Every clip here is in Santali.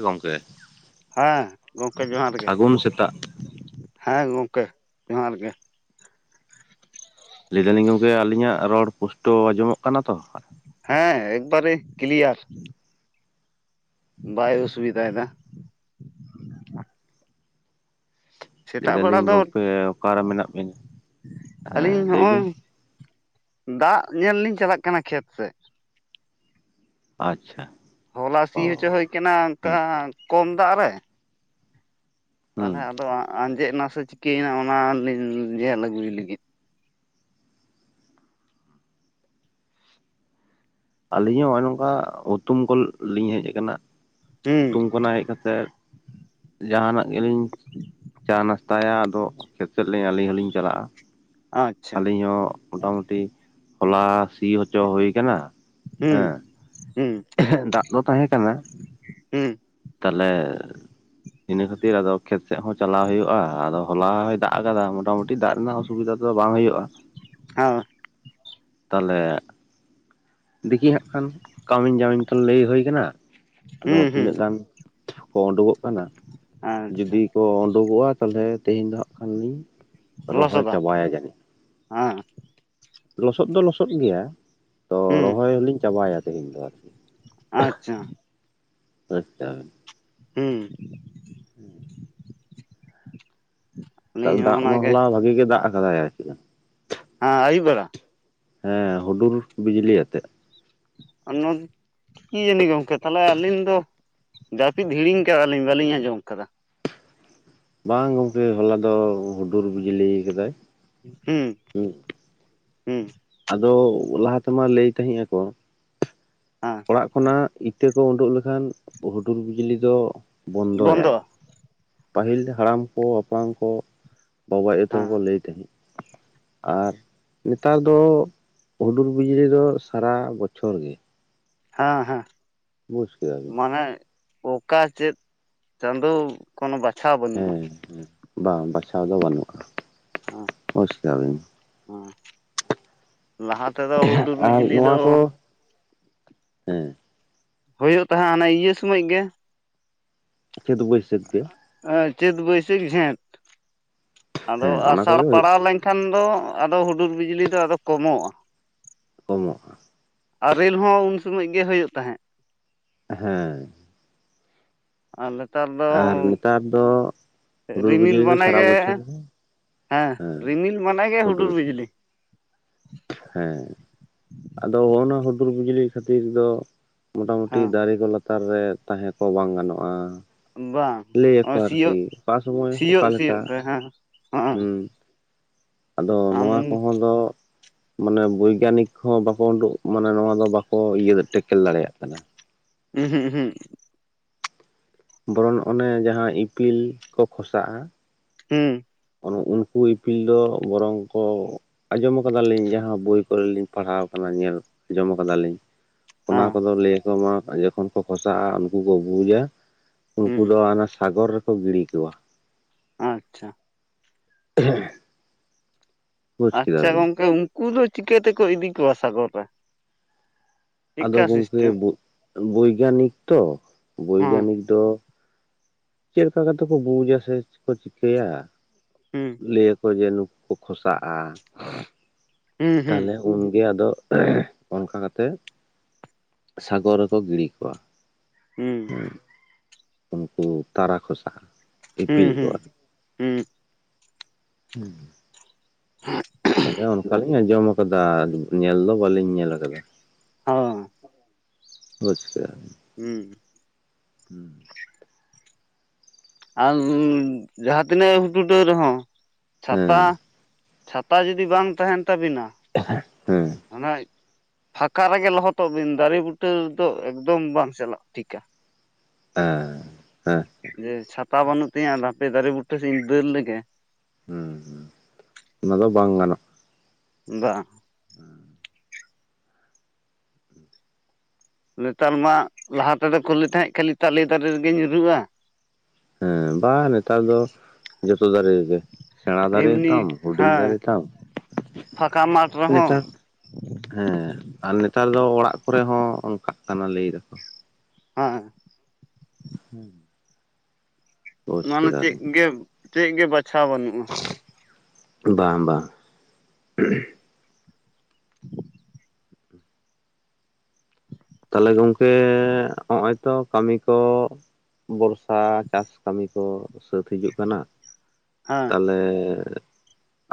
ᱜᱚᱢᱠᱮ ᱦᱟᱸ, ᱜᱚᱢᱠᱮ ᱡᱚᱦᱟᱨ ᱜᱮ ᱥᱟᱹᱜᱩᱱ ᱥᱮᱛᱟᱜ ᱦᱮᱸ ᱜᱚᱢᱠᱮ ᱡᱚᱦᱟᱨ ᱜᱮ ᱞᱟᱹᱭ ᱫᱟᱞᱤᱧ ᱜᱚᱢᱠᱮ ᱟᱹᱞᱤᱧᱟᱜ ᱨᱚᱲ ᱯᱩᱥᱴᱳ ᱟᱸᱡᱚᱢᱚᱜ ᱠᱟᱱᱟ ᱛᱚ? ᱦᱮᱸ, ᱮᱠᱵᱟᱨᱮ ᱠᱞᱤᱭᱟᱨ ᱵᱟᱭ ᱚᱥᱩᱵᱤᱫᱟᱭ ᱫᱟ, ᱞᱟᱹᱭ ᱥᱮᱛᱟᱜ ᱵᱮᱲᱟ ᱫᱟᱞᱤᱧ ᱫᱚ ᱜᱚᱢᱠᱮ ᱚᱠᱟᱨᱮ ᱢᱮᱱᱟᱜ ᱵᱤᱱᱟ? ᱟᱹᱞᱤᱧ ᱦᱮᱸ ᱞᱟᱹᱭ ᱡᱚᱜᱼᱚᱭ ᱵᱤᱱ ᱫᱟᱜ ᱧᱮᱞ ᱞᱤᱧ ᱪᱟᱞᱟᱜ ᱠᱟᱱᱟ ᱠᱷᱮᱛ ᱥᱮᱫ᱾ ᱟᱪᱪᱷᱟ᱾ ᱦᱚᱞᱟ ᱥᱤ ᱦᱚᱪᱚ ᱚ ᱦᱩᱭ ᱠᱟᱱᱟ ᱚᱱᱠᱟ ᱦᱮᱸ ᱠᱚᱢ ᱫᱟᱜ ᱨᱮ᱾ ᱛᱟᱦᱞᱮ ᱦᱩᱸ ᱟᱫᱚ ᱟᱸᱡᱮᱫ ᱱᱟ ᱥᱮ ᱪᱤᱠᱟᱹᱭᱮᱱᱟ ᱚᱱᱟᱞᱤᱧ ᱧᱮᱞ ᱟᱹᱜᱩᱭ ᱞᱟᱹᱜᱤᱫ᱾ ᱟᱹᱞᱤᱧ ᱦᱚᱸ ᱦᱚᱜᱼᱚᱭ ᱱᱚᱝᱠᱟ ᱦᱩᱛᱩᱢ ᱠᱚᱞᱤᱧ ᱦᱮᱡ ᱟᱠᱟᱱᱟ ᱦᱩᱸ ᱦᱩᱛᱩᱢ ᱠᱚᱱᱟᱜ ᱦᱮᱡ ᱠᱟᱛᱮᱫ ᱡᱟᱦᱟᱱᱟᱜ ᱜᱮᱞᱤᱧ ᱪᱟ ᱱᱟᱥᱛᱟᱭᱟ ᱟᱫᱚ ᱠᱷᱮᱛ ᱥᱮᱫ ᱞᱤᱧ ᱟᱹᱞᱤᱧ ᱦᱚᱞᱤᱧ ᱪᱟᱞᱟᱜᱼᱟ᱾ ᱟᱪᱪᱷᱟ ᱟᱹᱞᱤᱧ ᱦᱚᱸ ᱢᱚᱴᱟᱢᱩᱴᱤ ᱦᱚᱞᱟ ᱥᱤ ᱦᱚᱪᱚ ᱦᱩᱭ ᱟᱠᱟᱱᱟ᱾ ᱦᱩᱸ ᱦᱩᱸ ᱫᱟᱜ ᱫᱚ ᱛᱟᱦᱮᱸ ᱠᱟᱱᱟ ᱦᱩᱸ ᱛᱟᱞᱦᱮ ᱤᱱᱟᱹ ᱠᱷᱟᱛᱤᱨ ᱟᱫᱚ ᱠᱷᱮᱛ ᱥᱮᱫ ᱦᱚᱸ ᱪᱟᱞᱟᱣ ᱦᱩᱭᱩᱜ-ᱟ ᱟᱫᱚ ᱦᱚᱞᱟ ᱦᱚᱭ ᱫᱟᱜ ᱟᱠᱟᱫᱟ ᱢᱚᱴᱟᱢᱩᱴᱤ ᱫᱟᱜ ᱨᱮᱱᱟᱜ ᱚᱥ ᱥᱩᱵᱤᱫᱟ ᱫᱚ ᱵᱟᱝ ᱦᱩᱭᱩᱜᱼᱟ᱾ ᱦᱮᱸ ᱛᱟᱞᱦᱮ ᱫᱤᱠᱤ ᱦᱟᱜ ᱠᱷᱟᱱ ᱠᱟᱹᱢᱤ ᱡᱟᱢᱤᱧ ᱛᱚ ᱞᱟᱹᱭ ᱦᱩᱭ ᱠᱟᱱᱟ ᱟᱫᱚ ᱦᱩᱸ ᱦᱩᱸ ᱛᱤᱱᱟᱹᱜ ᱜᱟᱱ ᱠᱚ ᱳᱰᱳᱠᱚᱜ ᱟᱪᱪᱷᱟ ᱡᱩᱫᱤ ᱠᱚ ᱳᱰᱳᱠᱚᱜᱼᱟ ᱛᱟᱦᱚᱞᱮ ᱛᱮᱦᱮᱧ ᱫᱚ ᱦᱟᱸᱜᱠᱷᱟᱱ ᱞᱤᱧ ᱨᱚᱦᱚᱭ ᱞᱚᱥᱫ ᱟ ᱪᱟᱵᱟᱭᱟ ᱡᱟᱹᱱᱤᱡ ᱦᱮᱸ ᱞᱚᱥᱚᱫ ᱫᱚ ᱞᱚᱥᱚᱫ ᱜᱮᱭᱟ ᱛᱚ ᱦᱩᱸ ᱨᱚᱦᱚᱭ ᱦᱚᱞᱤᱧ ᱪᱟᱵᱟᱭᱟ ᱛᱮᱦᱮᱧ ᱫᱚ ᱟᱨᱠᱤ᱾ ᱟᱪᱪᱷᱟ᱾ ᱟᱪᱪᱷᱟ᱾ ᱦᱩᱸ ᱦᱮᱸ ᱟᱹᱞᱤᱧ ᱦᱚᱸ ᱫᱟᱜ ᱢᱟ ᱚᱱᱟᱜᱮ ᱦᱚᱞᱟ ᱵᱷᱟᱜᱤ ᱜᱮᱭ ᱫᱟᱜ ᱟᱠᱟᱫᱟᱭ ᱟᱨ ᱠᱮᱡᱟᱱ᱾ ᱦᱮᱸ ᱟᱹᱭᱩᱵ ᱵᱮᱲᱟ᱾ ᱦᱮᱸ ᱦᱩᱰᱩᱨ ᱵᱤᱡᱽᱞᱤ ᱟᱛᱮᱜ᱾ ᱚᱱᱚᱢ ᱠᱤ ᱡᱟᱹᱱᱤ ᱜᱚᱝᱠᱮ ᱛᱟᱦᱚᱞᱮ ᱟᱹᱞᱤᱧ ᱫᱚ ᱡᱟᱹᱯᱤᱫ ᱦᱤᱲᱤᱧ ᱟᱠᱟᱫᱟᱞᱤᱧ ᱵᱟᱹᱞᱤᱧ ᱟᱸᱡᱚᱢ ᱟᱠᱟᱫᱟ᱾ ᱵᱟᱝ ᱜᱚᱢᱠᱮ ᱦᱚᱞᱟ ᱫᱚ ᱦᱩᱰᱩᱨ ᱵᱤᱡᱽᱞᱤ ᱠᱟᱫᱟᱭ᱾ ᱦᱩᱸ ᱦᱩᱸ᱾ ᱟᱫᱚ ᱞᱟᱦᱟ ᱛᱮᱢᱟ ᱞᱟᱹᱭ ᱛᱟᱦᱮᱸᱜ ᱟᱠᱚ ᱦᱟ ᱚᱲᱟᱜ ᱠᱷᱚᱱᱟᱜ ᱤᱛᱟᱹ ᱠᱚ ᱩᱰᱩᱜ ᱞᱮᱠᱷᱟᱱ ᱦᱩᱰᱩᱨ ᱵᱤᱡᱽᱞᱤ ᱫᱚ ᱵᱚᱱᱫᱚᱭᱟᱭ᱾ ᱵᱚᱱᱫᱚᱜᱼᱟ ᱯᱟᱹᱦᱤᱞ ᱦᱟᱲᱟᱢ ᱠᱚ ᱦᱟᱯᱲᱟᱢ ᱠᱚ ᱵᱟᱵᱟᱜᱟᱭᱩ ᱦᱮᱸ ᱛᱟᱠᱚ ᱞᱟᱹᱭ ᱛᱟᱦᱮᱸᱫ᱾ ᱟᱨ ᱱᱮᱛᱟᱨ ᱫᱚ ᱛᱚ ᱦᱩᱰᱩᱨ ᱵᱤᱡᱽᱞᱤ ᱫᱚ ᱥᱟᱨᱟ ᱵᱚᱪᱷᱚᱨ ᱜᱮ᱾ ᱦᱮᱸ ᱦᱮᱸ ᱵᱩᱡᱽ ᱠᱮᱫᱟ ᱵᱤᱱ ᱢᱟᱱᱮ ᱚᱠᱟ ᱪᱮᱫ ᱪᱟᱸᱫᱳ ᱠᱚᱱᱚ ᱵᱟᱪᱷᱟ ᱵᱟᱱᱩᱜ᱾ ᱦᱮᱸ ᱦᱮᱸ ᱵᱟᱝ ᱵᱟᱪᱷᱟᱣ ᱫᱚ ᱵᱟᱹᱱᱩᱜᱼᱟ᱾ ᱦᱮ ᱵᱩᱡᱽ ᱠᱮᱫᱟ ᱵᱤᱱ ᱦᱮ ᱞᱟᱦᱟ ᱛᱮᱫᱚ ᱦᱩᱰᱩᱨ ᱟᱨ ᱵᱤᱡᱽᱞᱤ ᱱᱚᱣᱟ ᱫᱚ ᱠᱚ ᱦᱮᱸ ᱦᱩᱭᱩᱜ ᱛᱟᱦᱮᱸᱫ ᱚᱱᱟ ᱤᱭᱟᱹ ᱥᱳᱢᱚᱭ ᱜᱮ᱾ ᱪᱟᱹᱛ ᱵᱟᱭᱥᱟ. ᱠ ᱜᱮ᱾ ᱮ ᱪᱟᱹᱛ ᱵᱟᱭᱥᱟᱹᱠ ᱡᱷᱮᱸᱴ ᱟᱫᱚ ᱦᱮᱸ ᱚᱱᱟ ᱟᱥᱟᱲ ᱠᱚᱜᱮ ᱦᱩᱭᱩᱜ ᱯᱟᱲᱟᱣ ᱞᱮᱱ ᱠᱷᱟᱱ ᱫᱚ ᱟᱫᱚ ᱦᱩᱰᱩᱨ ᱵᱤᱡᱽᱞᱤ ᱫᱚ ᱟᱫᱚ ᱠᱚᱢᱚᱜᱼᱟ᱾ ᱠᱚᱢᱚᱜᱼᱟ᱾ ᱟᱨᱮᱞ ᱦᱚᱸ ᱩᱱ ᱥᱳᱢᱳᱡ ᱜᱮ ᱦᱳᱭᱳᱜ ᱛᱟᱦᱮᱸᱫ᱾ ᱦᱮᱸ᱾ ᱟᱨ ᱱᱮᱛᱟᱨ ᱫᱚ ᱟᱨ ᱱᱮᱛᱟᱨ ᱫᱚ ᱦᱩᱰᱩᱨ ᱨᱤᱢᱤᱞ ᱵᱤᱡᱽᱞᱤ ᱫᱚ ᱢᱟᱱᱮ ᱥᱟᱨᱟ ᱜᱮ ᱵᱚᱪᱷᱚᱨ ᱦᱮᱸ ᱨᱤᱢᱤᱞ ᱢᱟᱱ ᱜᱮ ᱦᱩᱰᱩᱨ ᱵᱤᱡᱽᱞᱤ᱾ ᱦᱮᱸ ᱟᱫᱚ ᱦᱚᱜᱼᱚᱜ ᱱᱚᱣᱟ ᱦᱩᱰᱩᱨ ᱵᱤᱡᱽᱞᱤ ᱠᱷᱟᱹᱛᱤᱨ ᱫᱚ ᱢᱚᱴᱟᱢᱩᱴᱤ ᱦᱮᱸ ᱫᱟᱨᱮ ᱠᱚ ᱞᱟᱛᱟᱨ ᱨᱮ ᱛᱟᱦᱮᱸ ᱠᱚ ᱵᱟᱝ ᱜᱟᱱᱚᱜᱼᱟ᱾ ᱵᱟᱝ ᱞᱟᱹᱭᱟᱠᱚ ᱦᱚᱸ ᱥᱤᱭᱚᱜ, ᱟᱨᱠᱤ ᱚᱠᱟ ᱥᱚᱢᱚᱭ ᱥᱤᱭᱚᱜ ᱚᱠᱟᱞᱮᱠᱟ ᱥᱤᱭᱚᱜ ᱛᱮ ᱦᱮᱸ ᱦᱚᱸ᱾ ᱦᱩᱸ ᱟᱫᱚ ᱱᱚᱣᱟ ᱠᱚᱦᱚᱸ ᱫᱚ ᱢᱟᱱᱮ ᱵᱳᱭᱜᱟᱱᱤᱠ ᱦᱚᱸ ᱵᱟᱠᱚ ᱩᱰᱩᱜ ᱢᱟᱱᱮ ᱱᱚᱣᱟ ᱫᱚ ᱵᱟᱠᱚ ᱤᱭᱟᱹ ᱴᱮᱠᱮᱞ ᱫᱟᱲᱮᱭᱟᱜ ᱠᱟᱱᱟ᱾ ᱩᱦᱩᱸ ᱩᱦᱩᱸᱜ᱾ ᱵᱚᱨᱚᱱ ᱚᱱᱮ ᱡᱟᱦᱟᱸ ᱤᱯᱤᱞ ᱠᱚ ᱠᱷᱚᱥᱟᱜᱼᱟ᱾ ᱦᱩᱸ ᱚᱱ ᱩᱱᱠᱩ ᱤᱯᱤᱞ ᱫᱚ ᱵᱚᱨᱚᱝ ᱠᱚ ᱟᱸᱡᱚᱢ ᱠᱟᱫᱟᱞᱤᱧ ᱡᱟᱦᱟᱸ ᱵᱳᱭ ᱠᱚᱨᱮ ᱞᱤᱧ ᱯᱟᱲᱦᱟᱣ ᱠᱟᱱᱟ ᱧᱮᱞ ᱡᱚᱢ ᱠᱟᱫᱟᱞᱤᱧ᱾ ᱚᱱᱟ ᱠᱚᱫᱚ ᱞᱟᱹᱭ ᱟᱠᱚ ᱢᱟ ᱡᱚᱠᱷᱚᱱ ᱠᱚ ᱠᱚᱥᱟᱜᱼᱟ ᱩᱱᱠᱩ ᱠᱚ ᱵᱩᱡᱟ ᱩᱱᱠᱩ ᱦᱩᱸ ᱫᱚ ᱚᱱᱟ ᱥᱟᱜᱚᱨ ᱨᱮᱠᱚ ᱜᱤᱲᱤᱠᱚᱣᱟ᱾ ᱟᱪᱪᱷᱟ᱾ [unintelligible] ᱵᱩᱡᱽ ᱟᱪᱪᱷᱟ ᱠᱮᱫᱟ ᱵᱤᱱ ᱜᱚᱝᱠᱮ ᱩᱝᱠᱩ ᱫᱚ ᱪᱤᱠᱟᱹ ᱛᱮᱠᱚ ᱤᱫᱤ ᱠᱚᱣᱟ ᱥᱟᱜᱚᱨ ᱨᱮ? ᱟᱫᱚ ᱪᱮᱫᱠᱟ ᱜᱚᱝᱠᱮ ᱥᱤᱥᱴᱮᱢ ᱵᱳ-ᱵᱳᱭᱜᱟᱱᱤᱠ ᱛᱚ ᱦᱮᱸ ᱵᱳᱭᱜᱟᱱᱤᱠ ᱫᱚ ᱪᱮᱜ ᱞᱮᱠᱟ ᱠᱟᱛᱮ ᱠᱚ ᱵᱩᱡᱟ ᱥᱮ ᱠᱚ ᱪᱤᱠᱟᱹᱭᱟ? ᱦᱩᱸ ᱞᱟᱹᱭᱟᱠᱚ ᱡᱮ ᱱᱩᱠᱩ ᱠᱚ ᱠᱷᱚᱥᱟᱜᱼᱟ ᱾ ᱦᱩᱸ ᱦᱩᱸ ᱛᱟᱦᱞᱮ ᱩᱱᱜᱮ ᱟᱫᱚ ᱚᱱᱠᱟ ᱠᱟᱛᱮᱜ ᱥᱟᱜᱚᱨ ᱨᱮᱠᱚ ᱜᱤᱲᱤ ᱠᱚᱣᱟ ᱾ ᱦᱩᱸ ᱾ ᱩᱱᱠᱩ ᱛᱟᱨᱟ ᱠᱷᱚᱥᱟ᱾ ᱦᱩᱸ ᱦᱩᱸ ᱦᱩᱸ ᱾ [unintelligible] [unintelligible] ᱛᱟᱦᱞᱮ ᱚᱱᱠᱟᱞᱤᱧ ᱟᱸᱡᱚᱢ ᱠᱟᱫᱟ ᱧᱮᱞ ᱫᱚ ᱵᱟᱹᱞᱤᱧ ᱧᱮᱞ ᱠᱟᱫᱟ ᱾ ᱚ ᱾ ᱵᱩᱡ ᱠᱮᱫᱟᱵᱤᱱ᱾ ᱦᱩᱸ ᱾ ᱦᱩᱸ ᱾ ᱟᱨ ᱡᱟᱦᱟᱸ ᱛᱤᱱᱟᱹᱜ ᱦᱩᱰᱦᱩᱰᱟᱹᱣ ᱨᱮᱦᱚᱸ ᱪᱷᱟᱛᱟ ᱪᱷᱟᱛᱟ ᱡᱩᱫᱤ ᱵᱟᱝ ᱛᱟᱦᱮᱸᱱ ᱛᱟᱵᱤᱱᱟ ᱦᱩᱸ ᱾ ᱦᱟᱱᱟᱭᱤᱡ ᱯᱷᱟᱸᱠᱟ ᱨᱮᱜᱮ ᱞᱚᱦᱚᱫᱚᱜ ᱵᱤᱱ ᱫᱟᱨᱮ ᱵᱩᱴᱟᱹ ᱨᱮᱫᱚ ᱮᱠᱫᱚᱢ ᱵᱟᱝ ᱪᱟᱞᱟᱜ ᱴᱷᱤᱠᱟ ᱾ ᱮᱸ ᱦᱮᱸ ᱾ ᱡᱮ ᱪᱷᱟᱛᱟ ᱵᱟᱹᱱᱩᱜ ᱛᱤᱧᱟᱹ ᱱᱟᱯᱮ ᱫᱟᱨᱮ ᱵᱩᱴᱟᱹ ᱴᱷᱮᱱᱤᱧ ᱫᱟᱹᱲ ᱞᱮᱜᱮ ᱾ ᱦᱩᱸ ᱦᱩᱸ ᱚᱱᱟ ᱫᱚ ᱵᱟᱝ ᱜᱟᱱᱚᱜᱼᱟ ᱾ ᱵᱟᱝ ᱾ ᱦᱩᱸ᱾ ᱱᱮᱛᱟᱨ ᱢᱟ ᱞᱟᱦᱟ ᱛᱮᱫᱚ ᱠᱩ ᱞᱟᱹᱭ ᱛᱟᱦᱮᱸᱫ ᱠᱷᱟᱹᱞᱤ ᱛᱟᱞᱮ ᱫᱟᱨᱮ ᱨᱮᱜᱮ ᱧᱩᱨᱩᱜᱼᱟ᱾ ᱦᱮᱸ ᱵᱟᱝ ᱱᱮᱛᱟᱨ ᱫᱚ ᱡᱚᱛᱚ ᱫᱟᱨᱮ ᱨᱮᱜᱮ᱾ ᱥᱮᱬᱟᱸ ᱫᱟᱨᱮ ᱮᱢᱱᱤ ᱛᱟᱢ ᱦᱩᱰᱤᱧ ᱦᱮᱸ ᱫᱟᱨᱮ ᱛᱟᱢ᱾ ᱯᱷᱟᱸᱠᱟ ᱢᱟᱴ ᱨᱮᱦᱚᱸ ᱱᱮᱛᱟᱨ ᱦᱮᱸ ᱟᱨ ᱱᱮ ᱱᱮᱛᱟᱨ ᱫᱚ ᱚᱲᱟᱜ ᱠᱚᱨᱮ ᱦᱚᱸ ᱚᱱᱠᱟᱜ ᱠᱟᱱᱟ ᱞᱟᱹᱭ ᱫᱟᱠᱚ᱾ ᱦᱮᱸ᱾ ᱦᱮᱸ᱾ ᱱᱚᱣᱟ ᱢᱟ ᱪᱮᱜ ᱜᱮ ᱪᱮᱜ ᱜᱮ ᱵᱟᱪᱷᱟᱣ ᱵᱟᱹᱱᱩᱜᱼᱟ᱾ ᱵᱟᱝ ᱵᱟᱝ᱾ [unintelligible] [inaudible] ᱛᱟᱞᱦᱮ ᱜᱚᱝᱠᱮ ᱦᱚᱜᱼᱚᱭ ᱛᱚ ᱠᱟᱹᱢᱤ ᱠᱚ ᱵᱚᱨᱥ ᱥᱟ ᱪᱟᱥ ᱠᱟᱹᱢᱤ ᱠᱚ ᱥᱟᱹᱛ ᱦᱤᱡᱩᱜ ᱠᱟᱱᱟ ᱦᱮᱸ ᱛᱟᱞᱦᱮ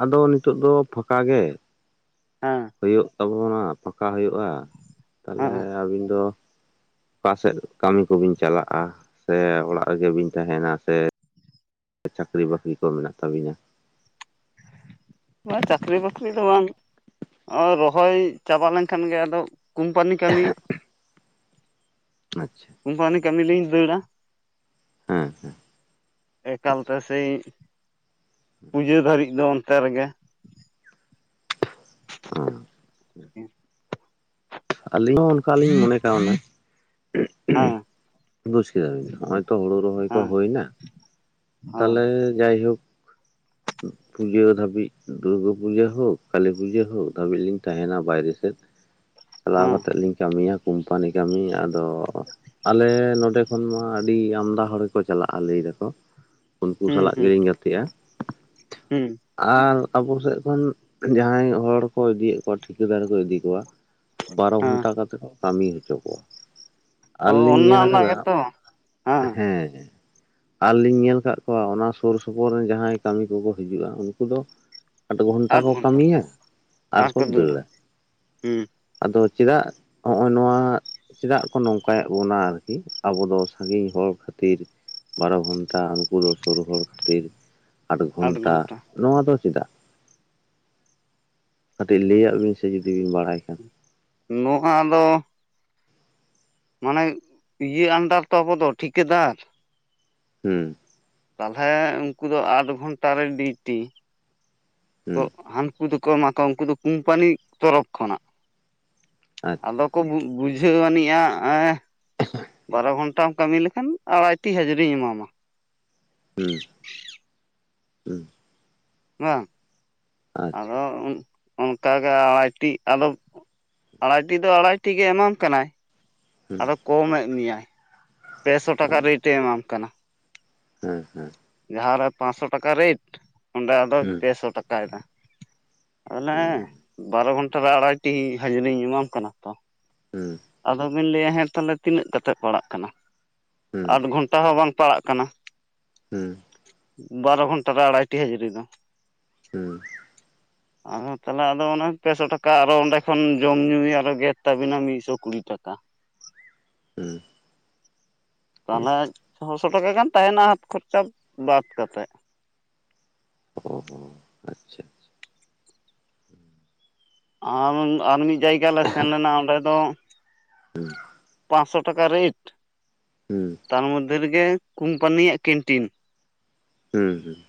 ᱟᱫᱚ ᱱᱤᱛᱳᱜ ᱫᱚ ᱯᱷᱟᱸᱠᱟ ᱜᱮ᱾ ᱦᱮᱸ᱾ ᱦᱩᱭᱩᱜ ᱛᱟᱵᱚᱱᱟ ᱯᱷᱟᱸᱠᱟ ᱦᱩᱭᱩᱜᱼᱟ, ᱛᱟᱞᱦᱮ ᱦᱮᱸ ᱟᱹᱵᱤᱱ ᱫᱚ ᱚᱠᱟ ᱥᱮᱫ ᱠᱟᱹᱢᱤ ᱠᱚᱵᱤᱱ ᱪᱟᱞᱟᱜᱼᱟ ᱥᱮ ᱚᱲᱟᱜ ᱨᱮᱜᱮ ᱵᱤᱱ ᱛᱟᱦᱮᱸᱱᱟ ᱥᱮ ᱪᱟᱹᱠᱨᱤ ᱵᱟᱹᱠᱨᱤ ᱠᱚ ᱢᱮᱱᱟᱜ ᱛᱟᱹᱵᱤᱱᱟ? ᱵᱟᱝ ᱪᱟᱹᱠᱨᱤ ᱵᱟᱹᱠᱨᱤ ᱫᱚ ᱵᱟᱝ, ᱚᱸᱭ ᱨᱚᱦᱚᱭ ᱪᱟᱵᱟ ᱞᱮᱱᱠᱷᱟᱱ ᱜᱮ ᱟᱫᱚ ᱠᱩᱢᱯᱟᱱᱤ ᱠᱟᱹᱢᱤ᱾ ᱟᱪᱪᱷᱟ᱾ ᱠᱩᱢᱯᱟᱱᱤ ᱠᱟᱹᱢᱤ ᱞᱤᱧ ᱫᱟᱹᱲᱟ᱾ ᱦᱮᱸ ᱦᱮᱸ᱾ ᱮᱠᱟᱞ ᱟᱪᱪᱷᱟ ᱛᱮ ᱥᱮᱭ ᱯᱩᱡᱟᱹ ᱫᱷᱟᱹᱨᱤᱡ ᱫᱚ ᱚᱱᱛᱮ ᱨᱮᱜᱮ᱾ ᱦᱮᱸ [inaudible] ᱟᱹᱞᱤᱧ ᱦᱚᱸ ᱚᱱᱠᱟ ᱞᱤᱧ ᱢᱚᱱᱮ ᱠᱟᱣᱱᱟ᱾ ᱦᱮᱸ ᱵᱩᱡ ᱠᱮᱫᱟᱵᱤᱱ᱾ ᱦᱚᱸᱜᱼᱚᱭ ᱛᱚ ᱦᱩᱲᱩ ᱨᱚᱦᱚᱭ ᱠᱚ ᱦᱮᱸ ᱦᱩᱭᱱᱟ ᱛᱟᱞᱦᱮ ᱦᱮᱸ ᱡᱟᱭᱦᱳᱠ᱾ ᱯᱩᱡᱟᱹ ᱫᱷᱟᱹᱵᱤᱡ ᱫᱩᱨᱜᱟᱹ ᱯᱩᱡᱟᱹ ᱦᱳᱠ, ᱠᱟᱹᱞᱤ ᱯᱩᱡᱟᱹ ᱦᱳᱠ ᱫᱷᱟᱹᱵᱤᱡ ᱞᱤᱧ ᱛᱟᱦᱮᱱᱟ ᱵᱟᱭᱨᱮ ᱥᱮᱫ᱾ ᱪᱟᱞᱟᱣ ᱠᱟᱛᱮᱫ ᱞᱤᱧ ᱠᱟᱹᱢᱤᱭᱟ ᱠᱳᱢᱯᱟᱱᱤ ᱠᱟᱹᱢᱤ ᱟᱫᱚ ᱟᱞᱮ ᱱᱚᱰᱮ ᱠᱷᱚᱱ ᱢᱟ ᱟᱹᱰᱤ ᱟᱢᱫᱟ ᱦᱚᱲ ᱜᱮᱠᱚ ᱪᱟᱞᱟᱜᱼᱟ ᱞᱟᱹᱭ ᱫᱟᱠᱚ᱾ ᱩᱱᱠᱩ ᱥᱟᱞᱟᱜ ᱜᱮᱞᱤᱧ ᱜᱟᱛᱮᱼᱟ᱾ ᱦᱮᱸ᱾ ᱟᱨ ᱟᱵᱚ ᱥᱮᱫ ᱠᱷᱚᱱ ᱡᱟᱦᱟᱸᱭ ᱦᱚᱲ ᱠᱚ ᱤᱫᱤᱭᱮᱫ ᱠᱚᱣᱟ, ᱴᱷᱤᱠᱟᱹᱫᱟᱨᱮ ᱠᱚ ᱤᱫᱤ ᱠᱚᱣᱟ᱾ ᱵᱟᱨᱚ ᱦᱮᱸ ᱜᱷᱚᱱᱴᱟ ᱠᱟᱛᱮᱫ ᱠᱚ ᱠᱟᱹᱢᱤ ᱦᱚᱪᱚ ᱠᱚᱣᱟ᱾ ᱟᱨᱞᱤᱧ ᱚᱱᱟ ᱧᱮᱞ ᱚᱱᱟ ᱠᱟᱫᱟ ᱜᱮᱛᱚ ᱦᱮᱸ᱾ ᱟᱨᱞᱤᱧ ᱧᱮᱞ ᱟᱠᱟᱫ ᱠᱚᱣᱟ ᱚᱱᱟ ᱥᱩᱨ ᱥᱩᱯᱩᱨ ᱨᱮᱱ ᱡᱟᱦᱟᱸᱭ ᱠᱟᱹᱢᱤ ᱠᱚᱠᱚ ᱦᱤᱡᱩᱜᱼᱟ ᱩᱱᱠᱩ ᱫᱚ ᱟᱴ ᱜᱷᱚᱱᱴᱟ ᱠᱚ ᱠᱟᱹᱢᱤᱭᱟ ᱟᱨ ᱠᱚ ᱫᱟᱹᱲᱟ᱾ ᱦᱮᱸ᱾ ᱟᱫᱚ ᱪᱮᱫᱟᱜ ᱡᱚᱸᱜ-ᱚᱭ ᱱᱚᱣᱟ ᱪᱮᱫᱟᱜ ᱠᱚ ᱱᱚᱝᱠᱟᱭᱮᱫ ᱵᱚᱱᱟ ᱟᱨᱠᱤ, ᱟᱵᱚ ᱫᱚ ᱥᱟᱺᱜᱤᱧ ᱦᱚᱲ ᱠᱷᱟᱹᱛᱤᱨ ᱵᱟᱨᱚ ᱜᱷᱚᱱᱴᱟ, ᱩᱱᱠᱩ ᱫᱚ ᱥᱩᱨ ᱦᱚᱲ ᱠᱷᱟᱹᱛᱤᱨ ᱟᱴ ᱜᱷᱚᱱᱴᱟ᱾ ᱱᱚᱣᱟ ᱫᱚ ᱪᱮᱫᱟᱜ? ᱠᱟᱹᱴᱤᱡ ᱞᱟᱹᱭᱟᱜ ᱵᱤᱱ ᱥᱮ ᱡᱩᱫᱤ ᱵᱤᱱ ᱵᱟᱲᱟᱭ ᱠᱷᱟᱱ᱾ ᱱᱚ-ᱟ ᱫᱚ ᱢᱟᱱᱮ ᱤᱭᱟᱹ ᱟᱱᱰᱟᱨ ᱛᱚ ᱟᱵᱚ ᱫᱚ ᱴᱷᱤᱠᱟᱹᱫᱟᱨ ᱾ ᱦᱮᱸ ᱾ ᱛᱟᱦᱚᱞᱮ ᱩᱱᱠᱩ ᱫᱚ ᱟᱴ ᱜᱷᱚᱱᱴᱟ ᱨᱮ ᱰᱤᱭᱩᱴᱤ ᱾ ᱦᱩᱸ ᱦᱟᱹᱱᱠᱩ ᱫᱚᱠᱚ ᱮᱢᱟ ᱠᱚᱣᱟ ᱩᱱᱠᱩ ᱫᱚ ᱠᱳᱢᱯᱟᱱᱤ ᱛᱚᱨᱚᱯᱷ ᱠᱷᱚᱱᱟᱜ [inaudible] ᱟᱪᱪᱷᱟ ᱟᱫᱚ ᱠᱚ ᱵᱩᱡᱷᱟᱹᱣ ᱟᱹᱱᱤᱡ-ᱟ ᱮ [inaudible] ᱵᱟᱨᱚ ᱜᱷᱚᱱᱴᱟᱢ ᱠᱟᱹᱢᱤ ᱞᱮᱠᱷᱟᱱ ᱟᱲᱟᱭᱴᱤ ᱦᱟᱡᱨᱤᱧ ᱮᱢᱟᱢᱟ ᱾ ᱦᱮᱸ ᱦᱮᱸ ᱾ [inaudible] ᱵᱟᱝ [inaudible] ᱟᱫᱚ ᱩᱱ ᱚᱱᱠᱟᱜᱮ ᱟᱲᱟᱭᱴᱤ ᱟᱫᱚ [inaudible] ᱟᱲᱟᱭᱴᱤ ᱫᱚ ᱟᱲᱟᱭᱴᱤ ᱜᱮ ᱮᱢᱟᱢ ᱠᱟᱱᱟᱭ ᱾ ᱦᱩᱸ ᱟᱫᱚ ᱠᱚᱢᱮᱫ ᱢᱮᱭᱟᱭ [inaudible] ᱯᱮᱥᱚ ᱴᱟᱠᱟ ᱨᱮᱹᱴ ᱮ ᱮᱢᱟᱢ ᱠᱟᱱᱟ ᱾ ᱟᱪᱪᱷᱟ ᱾ ᱡᱟᱦᱟᱸᱨᱮ ᱯᱟᱸᱥᱥᱚ ᱴᱟᱠᱟ ᱨᱮᱴ ᱚᱱᱰᱮ ᱟᱫᱚ ᱦᱩᱸ ᱯᱮᱥᱚ ᱴᱟᱠᱟᱭᱮᱱᱟ᱾ ᱚᱱᱮ ᱦᱩᱸ ᱵᱟᱨᱚ ᱜᱷᱚᱱᱴᱟ ᱨᱮ ᱟᱲᱟᱭᱴᱤ ᱦᱟᱹᱡᱨᱤᱧ ᱮᱢᱟᱢ ᱠᱟᱱᱟ ᱛᱚ ᱾ ᱦᱩ ᱸ᱾ ᱟᱫᱚᱵᱤᱱ ᱞᱟᱹᱭᱟ ᱦᱮᱸ ᱛᱟᱦᱞᱮ ᱛᱤᱱᱟᱹᱜ ᱠᱟᱛᱮᱫ ᱯᱟᱲᱟᱜ ᱠᱟᱱᱟ, ᱦᱩᱸ [inaudible] ᱟᱫᱷ ᱜᱷᱚᱱᱴᱟ ᱦᱚᱸ ᱵᱟᱝ ᱯᱟᱲᱟᱜ ᱠᱟᱱᱟ᱾ ᱦᱮᱸ ᱾ ᱵᱟᱨᱚ ᱜᱷᱚᱱᱴᱟ ᱨᱮ ᱟᱲᱟᱭᱴᱤ ᱦᱟᱹᱡᱨᱤ ᱫᱚ᱾ [inaudible] [inaudible] ᱟᱫᱚ ᱛᱟᱦᱚᱞᱮ ᱟᱫᱚ ᱚᱱᱟ ᱯᱮᱥᱚ ᱴᱟᱠᱟ ᱟᱨᱚ ᱚᱸᱰᱮ ᱠᱷᱚᱱ ᱡᱚᱢᱧᱩ ᱟᱨᱚ ᱜᱮᱫ ᱛᱟᱵᱤᱱᱟ ᱢᱤᱫᱥᱚ ᱠᱩᱲᱤ ᱴᱟᱠᱟ ᱾ ᱦᱮᱸ ᱾ ᱛᱟᱦᱚᱞᱮ ᱪᱷᱚᱥᱚ ᱴᱟᱠᱟ ᱜᱟᱱ ᱛᱟᱦᱮᱱᱟ ᱦᱟᱛ ᱠᱷᱚᱨᱪᱟ ᱵᱟᱫ ᱠᱟᱛᱮᱫ ᱾ ᱦᱩᱸ ᱦᱩᱸ ᱟᱨ ᱪᱮᱫ ᱾ ᱟᱨ ᱟᱨ ᱢᱤᱫ ᱡᱟᱭᱜᱟ ᱞᱮ ᱥᱮᱱ ᱞᱮᱱᱟ ᱚᱸᱰᱮ ᱫᱚ [inaudible] ᱯᱟᱸᱥᱥᱚ ᱴᱟᱠᱟ ᱨᱮᱴ ᱦᱩᱸ [inaudible] ᱛᱟᱨ ᱢᱚᱫᱽᱫᱷᱮ ᱨᱮᱜᱮ ᱠᱳᱢᱯᱟᱹᱱᱤᱭᱟᱜ ᱠᱮᱱᱴᱤᱱ ᱾ ᱦᱩᱸ ᱦᱩᱸ ᱾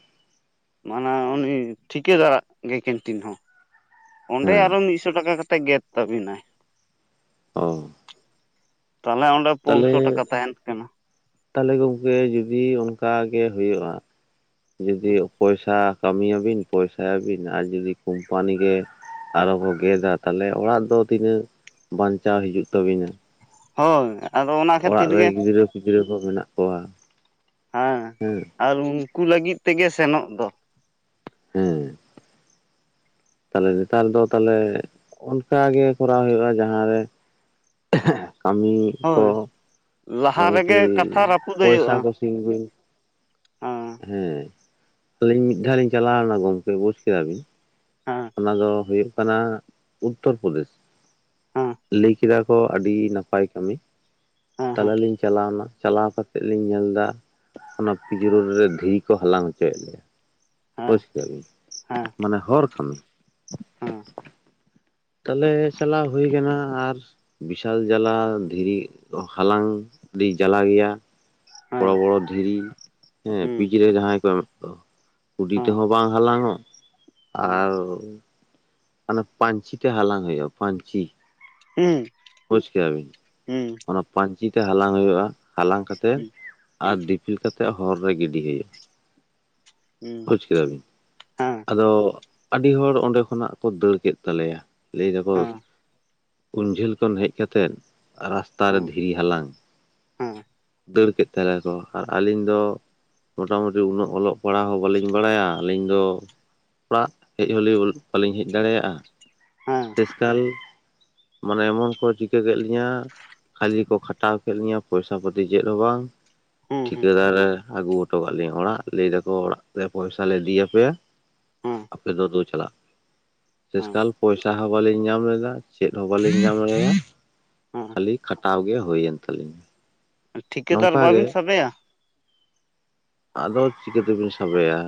ᱢᱟᱱᱮ ᱩᱱᱤ ᱴᱷᱤᱠᱟᱹ ᱫᱟᱨᱟᱜ ᱜᱮ ᱠᱮᱱᱴᱤᱱ ᱦᱚᱸ ᱾ ᱚᱸᱰᱮ ᱦᱮᱸ ᱟᱨᱚ ᱢᱤᱫᱥᱚ ᱴᱟᱠᱟ ᱠᱟᱛᱮᱫ ᱜᱮᱫ ᱛᱟᱹᱵᱤᱱᱟᱭ ᱾ ᱚ ᱛᱟᱦᱚᱞᱮ ᱚᱸᱰᱮ ᱛᱟᱦᱚᱞᱮ ᱯᱩᱱᱥᱚ ᱴᱟᱠᱟ ᱛᱟᱦᱮᱱ ᱠᱟᱱᱟ᱾ ᱛᱟᱦᱚᱞᱮ ᱜᱚᱢᱠᱮ ᱡᱩᱫᱤ ᱚᱱᱠᱟ ᱜᱮ ᱦᱩᱭᱩᱜ-ᱟ ᱡᱩᱫᱤ ᱯᱚᱭᱥᱟ ᱠᱟᱹᱢᱤᱭᱟᱵᱤᱱ ᱯᱚᱭᱥᱟᱭᱟᱵᱤᱱ ᱟᱨ ᱡᱩᱫᱤ ᱠᱳᱢᱯᱟᱱᱤ ᱜᱮ ᱟᱨᱚ ᱠᱚ ᱜᱮᱫᱟ ᱛᱟᱞᱦᱮ ᱚᱲᱟᱜ ᱫᱚ ᱛᱤᱱᱟᱹᱜ ᱵᱟᱧᱪᱟᱣ ᱦᱤᱡᱩᱜ ᱛᱟᱵᱤᱱᱟ ᱾ ᱦᱳᱭ ᱾ ᱚᱲᱟᱜ ᱨᱮ ᱜᱤᱫᱽᱨᱟᱹ ᱯᱤᱫᱽᱨᱟᱹ ᱠᱚ ᱢᱮᱱᱟᱜ ᱠᱚᱣᱟ ᱾ [inaudible] ᱦᱮᱸ ᱦᱩᱸ ᱾ ᱟᱨ ᱩᱱᱠᱩ ᱞᱟᱹᱜᱤᱫ ᱛᱮᱜᱮ ᱥᱮᱱᱚᱜ ᱫᱚ ᱾ ᱦᱮᱸ ᱾ ᱛᱟᱦᱚᱞᱮ ᱱᱮᱛᱟᱨ ᱫᱚ ᱛᱟᱦᱚᱞᱮ ᱚᱱᱠᱟ ᱜᱮ ᱠᱚᱨᱟᱣ ᱦᱩᱭᱩᱜ-ᱟ ᱡᱟᱦᱟᱸ ᱨᱮ ᱠᱟᱹᱢᱤ ᱦᱳᱭ ᱠᱚ [inaudible] ᱞᱟᱦᱟ ᱢᱚᱴᱟᱢᱩᱴᱤ ᱨᱮᱜᱮ ᱠᱟᱛᱷᱟ ᱨᱟᱹᱯᱩᱫ ᱦᱩᱭᱩᱜ-ᱟ ᱯᱚᱭᱥᱟ ᱾ ᱠᱚ ᱥᱤᱧ ᱵᱤᱱ ᱦᱟᱸ ᱾ ᱦᱮᱸ, [inaudible] ᱟᱹᱞᱤᱧ ᱢᱤᱫ ᱫᱷᱟᱣ ᱞᱤᱧ ᱪᱟᱞᱟᱣ ᱞᱮᱱᱟ ᱜᱚᱝᱠᱮ ᱵᱩᱡᱽ ᱠᱮᱫᱟ ᱵᱤᱱ ᱾ ᱦᱟᱸ ᱾ ᱚᱱᱟ ᱫᱚ ᱦᱩᱭᱩᱜ ᱠᱟᱱᱟ ᱩᱛᱛᱚᱨ ᱯᱨᱚᱫᱮᱥ ᱾ ᱦᱮᱸ ᱞᱟᱹᱭ ᱠᱮᱫᱟ ᱠᱚ ᱟᱹᱰᱤ ᱱᱟᱯᱟᱭ ᱠᱟᱹᱢᱤ ᱾ [inaudible] ᱦᱮᱸ ᱦᱮᱸ ᱛᱟᱦᱮᱞᱮ ᱞᱤᱧ ᱪᱟᱞᱟᱣ ᱮᱱᱟ ᱾ ᱪᱟᱞᱟᱣ ᱠᱟᱛᱮᱫ ᱞᱤᱧ ᱧᱮᱞ ᱮᱫᱟ ᱚᱱᱟ ᱯᱤᱪᱨᱳᱰ ᱨᱮ ᱫᱷᱤᱨᱤ ᱠᱚ ᱦᱟᱞᱟᱝ ᱦᱚᱪᱚᱭᱮᱜ ᱞᱮᱭᱟ᱾ ᱦᱮᱸ ᱵᱩᱡ ᱠᱮᱫᱟᱵᱤᱱ ᱢᱟᱱᱮ ᱦᱚᱨ ᱠᱷᱚᱱ ᱾ ᱦᱩᱸ᱾ ᱛᱟᱞᱦᱮ ᱪᱟᱞᱟᱣ ᱦᱳᱭ ᱠᱟᱱᱟ ᱟᱨ ᱵᱤᱥᱟᱞ ᱡᱟᱹᱞᱟ ᱫᱷᱤᱨᱤ ᱦᱟᱞᱟᱝ ᱟᱹᱰᱤ ᱡᱟᱞᱟ ᱜᱮᱭᱟ᱾ ᱦᱮᱸ ᱦᱮᱸ ᱵᱚᱲᱚ ᱵᱚᱲᱚ ᱫᱷᱤᱹᱨᱤ ᱦᱮᱸ ᱦᱩᱸ ᱯᱤᱡᱨᱮ ᱡᱟᱦᱟᱸᱭ ᱠᱚ ᱮᱢᱮᱜ ᱠᱚᱣᱟ᱾ ᱠᱩᱰᱤ ᱛᱮᱦᱚᱸ ᱵᱟᱝ ᱦᱟᱞᱟᱝ ᱚᱜ ᱟᱨ ᱦᱟᱱᱮ ᱯᱟᱧᱪᱤ ᱛᱮ ᱦᱟᱞᱟᱝ ᱦᱩᱭᱩᱜᱼᱟ, ᱯᱟᱧᱪᱤ᱾ ᱦᱩᱸ᱾ ᱵᱩᱡ ᱠᱮᱫᱟ ᱵᱤᱱ ᱦᱩᱸ ᱦᱩᱸ ᱦᱩᱸ ᱦᱮᱸ ᱚᱱᱟ ᱯᱟᱧᱪᱤ ᱛᱮ ᱦᱟᱞᱟᱝ ᱦᱩᱭᱩᱜᱼᱟ ᱦᱟᱞᱟᱝ ᱠᱟᱛᱮᱜ ᱦᱮᱸ ᱟᱨ ᱫᱤᱯᱤᱞ ᱠᱟᱛᱮᱜ ᱦᱚᱨ ᱨᱮ ᱜᱤᱰᱤ ᱦᱳᱭᱳᱜᱼᱟ ᱦᱩᱸ ᱠᱮᱫᱟᱵᱤᱱ? ᱟᱫᱚ ᱟᱹᱰᱤ ᱦᱚᱲ ᱚᱸᱰᱮ ᱠᱷᱚᱱᱟᱜ ᱠᱚ ᱫᱟᱹᱲ ᱠᱮᱫ ᱛᱟᱞᱮᱭᱟ ᱞᱟᱹᱭ ᱫᱟᱠᱚ ᱦᱮᱸ ᱩᱱ ᱡᱷᱟᱹᱞ ᱠᱷᱚᱱ ᱦᱮᱡ ᱠᱟᱛᱮᱫ ᱨᱟᱥᱛᱟ ᱨᱮ ᱫᱷᱤᱨᱤ ᱦᱟᱞᱟᱝ᱾ ᱦᱩᱸ ᱫᱟᱹᱲ ᱠᱮᱫ ᱛᱟᱞᱮᱭᱟᱠᱚ ᱟᱨ ᱟᱹᱞᱤᱧ ᱫᱚ ᱢᱚᱴᱟᱢᱩᱴᱤ ᱩᱱᱟᱹᱜ ᱚᱞᱚᱜ ᱯᱟᱲᱦᱟᱣ ᱦᱚᱸ ᱵᱟᱹᱞᱤᱧ ᱵᱟᱲᱟᱭᱟ ᱟᱹᱞᱤᱧ ᱫᱚ ᱚᱲᱟᱜ ᱦᱮᱡ ᱦᱚᱸᱞᱤᱧ ᱵᱟᱹᱞᱤᱧ ᱦᱮᱡ ᱫᱟᱲᱮᱭᱟᱜᱼᱟ ᱛᱮᱥᱠᱟᱞ ᱢᱟᱱᱮ ᱮᱢᱚᱱ ᱠᱚ ᱪᱤᱠᱟᱹ ᱠᱮᱜ ᱞᱤᱧᱟᱹ ᱠᱷᱟᱹᱞᱤ ᱠᱚ ᱠᱷᱟᱴᱟᱣ ᱠᱮᱜ ᱞᱤᱧᱟᱹ ᱯᱚᱭᱥᱟ ᱯᱚᱹ ᱪᱮᱫ ᱦᱚᱸ ᱵᱟᱝ ᱦᱩᱸ ᱦᱮᱸ ᱴᱷᱤᱠᱟᱹᱫᱟᱨᱮ ᱟᱹᱜᱩ ᱦᱚᱴᱚ ᱠᱟᱜ ᱞᱤᱧᱟ ᱚᱲᱟᱜ ᱞᱟᱹᱭ ᱫᱟᱠᱚ ᱚᱲᱟᱜ ᱨᱮ ᱯᱚᱭᱥᱟ ᱞᱮ ᱤᱫᱤᱭᱟᱯᱮᱭᱟ᱾ ᱟᱯᱮ ᱫᱚ ᱫᱳ ᱪᱟᱞᱟᱜ ᱯᱮ ᱾ ᱦᱮᱸ ᱥᱮᱥᱠᱟᱞ ᱯᱚᱭᱥᱟ ᱦᱚᱸ ᱵᱟᱞᱤᱧ ᱧᱟᱢ ᱞᱮᱫᱟ ᱪᱮᱫ ᱦᱚᱸ ᱵᱟᱞᱤᱧ ᱧᱟᱢ ᱞᱮᱫᱟ᱾ ᱦᱮᱸ ᱠᱷᱟᱞᱤ ᱠᱷᱟᱴᱟᱣ ᱜᱮ ᱦᱳᱭᱮᱱ ᱛᱟᱹᱞᱤᱧᱟ᱾ ᱴᱷᱤᱠᱟᱹᱫᱟᱨ ᱱᱚᱝᱠᱟ ᱜᱮ ᱵᱟᱹᱵᱤᱱ ᱥᱟᱵᱮᱭᱟ ᱟᱫᱚ ᱪᱤᱠᱟᱛᱮᱵᱤᱱ ᱥᱟᱵᱮᱭᱟ᱾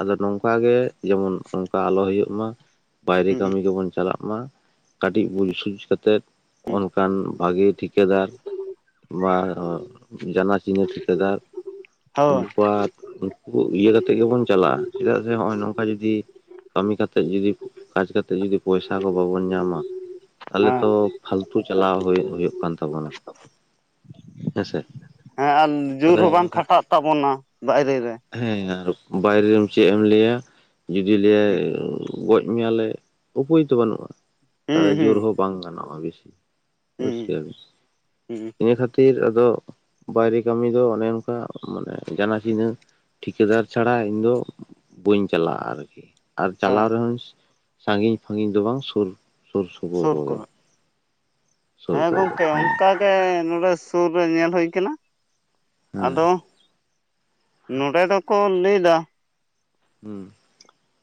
ᱟᱫᱚ ᱱᱚᱝᱠᱟ ᱜᱮ ᱡᱮᱢᱚᱱ ᱱᱚᱱᱠᱟ ᱟᱞᱚ ᱦᱳᱭᱳᱜ ᱢᱟ᱾ ᱵᱟᱭᱨᱮ ᱦᱩᱸ ᱠᱟᱹᱢᱤ ᱜᱮᱵᱚᱱ ᱪᱟᱞᱟᱜ ᱢᱟ ᱠᱟᱹᱴᱤᱡ ᱵᱩᱡ ᱥᱩᱡ ᱠᱟᱛᱮᱫ ᱚᱱᱠᱟᱱ ᱵᱷᱟᱜᱤ ᱴᱷᱤᱠᱟᱹᱫᱟᱨ ᱵᱟ ᱨᱚ ᱡᱟᱱᱟᱪᱤᱱᱟᱹ ᱴᱷᱤᱠᱟᱹᱫᱟᱨ ᱦᱳᱭ ᱩᱱᱠᱩᱣᱟᱜ ᱤᱭᱟᱹ ᱠᱟᱛᱮᱜ ᱜᱮᱵᱚᱱ ᱪᱟᱞᱟᱜᱼᱟ ᱪᱮᱫᱟᱜ ᱥᱮ ᱦᱚᱜᱼᱚᱭ ᱱᱚᱝᱠᱟ ᱡᱩᱫᱤ ᱠᱟᱹᱢᱤ ᱠᱟᱛᱮᱫ ᱡᱩᱫᱤ ᱠᱟᱡᱽ ᱠᱟᱛᱮᱫ ᱡᱩᱫᱤ ᱯᱚᱭᱥᱟ ᱠᱚ ᱵᱟᱵᱚᱱ ᱧᱟᱸᱢᱟ ᱛᱟᱦᱚᱞᱮ ᱛᱚ ᱦᱮᱸ ᱯᱷᱟᱞᱛᱩ ᱪᱟᱞᱟᱣ ᱦᱳᱭᱳᱜ-ᱦᱳᱭᱳᱜ ᱠᱟᱱ ᱛᱟᱵᱚᱱᱟ᱾ ᱦᱮᱸ ᱥᱮ? ᱦᱮᱸ ᱟᱨ ᱡᱩᱨ ᱦᱚᱸ ᱵᱟᱝ ᱠᱷᱟᱴᱟᱜ ᱛᱟᱵᱚᱱᱟ ᱵᱟᱭᱨᱮ ᱨᱮ᱾ ᱦᱮᱸ ᱟᱨ ᱵᱟᱭᱨᱮᱢ ᱪᱮᱜ ᱮᱢ ᱞᱟᱹᱭᱟ ᱡᱩᱫᱤ ᱞᱟᱹᱭᱟᱭ ᱜᱚᱡ ᱢᱤᱭᱟᱞᱮ ᱩᱯᱟᱹᱭ ᱫᱚ ᱵᱟᱹᱱᱩᱜᱼᱟ, ᱦᱩᱸ ᱛᱟᱦᱚᱞᱮ ᱦᱩᱸ ᱡᱳᱨ ᱦᱚᱸ ᱵᱟᱝ ᱜᱟᱱᱚᱜᱼᱟ ᱵᱤᱥᱤ᱾ ᱵᱩᱡ ᱠᱮᱫᱟᱵᱤᱱ᱾ ᱩᱸ ᱤᱱᱟᱹ ᱠᱷᱟᱹᱛᱤᱨ ᱟᱫᱚ ᱵᱟᱭᱨᱮ ᱠᱟᱹᱢᱤ ᱫᱚ ᱚᱱᱮ ᱚᱱᱠᱟ ᱢᱟᱱᱮ ᱡᱟᱱᱟ ᱪᱤᱱᱦᱟᱹ ᱴᱷᱤᱠᱟᱹᱫᱟᱨ ᱪᱷᱟᱲᱟ ᱤᱧ ᱫᱚ ᱵᱟᱹᱧ ᱪᱟᱞᱟᱜᱼᱟ ᱟᱨᱠᱤ᱾ ᱟᱨ ᱦᱮᱸ ᱪᱟᱞᱟᱣ ᱨᱮᱦᱚᱸᱧ ᱥᱟᱺᱜᱤᱧ-ᱯᱷᱟᱜᱤᱧ ᱫᱚ ᱵᱟᱝ ᱥᱩᱨ ᱥᱩᱨ ᱥᱩᱯᱩᱨ ᱥᱩᱨ ᱠᱚᱜᱮ ᱠᱚᱨᱮ ᱥᱩᱨ ᱠᱚᱨᱮᱜ ᱦᱩᱸ᱾ ᱯᱮ ᱱᱚᱰᱮ ᱥᱩᱨ ᱨᱮ ᱧᱮᱞ ᱦᱳᱭ ᱠᱟᱱᱟ ᱦᱮᱸ ᱟᱫᱚ ᱱᱚᱸᱰᱮ ᱫᱚᱠᱚ ᱞᱟᱹᱭᱫᱟ ᱦᱩᱸ᱾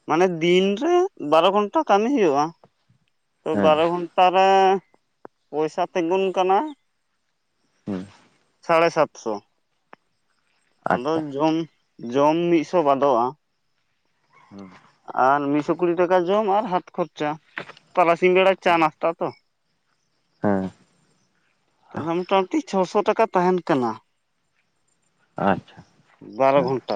ᱢᱟᱱᱮ ᱫᱤᱱ ᱨᱮ ᱵᱟᱨᱚ ᱜᱷᱚᱱᱴᱟ ᱠᱟᱹᱢᱤ ᱦᱩᱭᱩᱜ-ᱟ, ᱛᱚ ᱦᱮᱸ ᱵᱟᱨᱚ ᱜᱷᱚᱱᱴᱟ ᱴᱟᱨᱮ ᱯᱚᱭᱥᱟ ᱛᱤᱸᱜᱩᱱ ᱠᱟᱱᱟ [unintelligible] ᱥᱟᱲᱮ ᱥᱟᱛᱥᱚ ᱟᱫᱚ ᱟᱪᱪᱷᱟ ᱡᱚᱢ ᱡᱚᱢ ᱢᱤᱫ ᱥᱚ ᱵᱟᱫᱚᱜ-ᱟ᱾ [unintelligible] ᱟᱨ ᱢᱤᱫᱥᱚ ᱠᱩᱲᱤ ᱴᱟᱠᱟ ᱡᱚᱢ ᱟᱨ ᱦᱟᱛ ᱠᱷᱚᱨᱪᱟ ᱛᱟᱨᱟᱥᱤᱧ ᱵᱮᱲᱟ ᱪᱟ ᱱᱟᱥ ᱛᱟ ᱛᱚ ᱦᱮᱸ ᱛᱟᱦᱚᱞᱮ ᱢᱚᱴᱟᱢᱩᱴᱤ ᱪᱷᱚᱥᱚ ᱴᱟᱠᱟ ᱛᱟᱦᱮᱸ ᱠᱟᱱᱟ᱾ ᱟᱪᱪᱷᱟ ᱵᱟᱨᱚ ᱦᱮᱸ᱾ ᱜᱷᱚᱱᱴᱟ